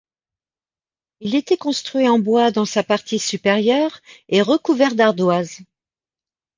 Il était construit en bois dans sa partie supérieure et recouvert d'ardoise.